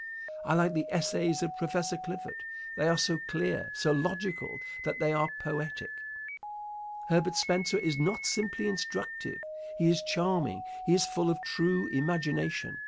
I like the essays of Prof. Clifford. They are so clear, so logical that they are poetic. Herbert Spencer is not simply instructive, he is charming. He is full of true imagination.